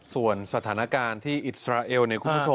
ส่วนสถานการณ์ที่อิสราเอลคุณผู้ชมครับ